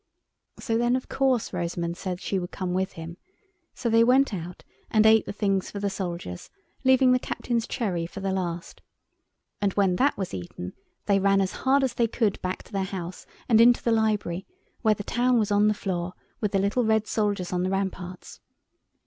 So then of course Rosamund said she would come with him, so they went out and ate the things for the soldiers, leaving the Captain's cherry for the last. And when that was eaten they ran as hard as they could back to their house and into the library, where the town was on the floor, with the little red soldiers on the ramparts.